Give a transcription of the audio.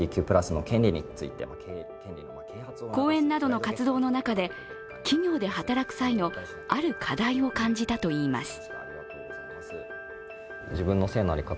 講演などの活動の中で企業で働く際のある課題を感じたといいます。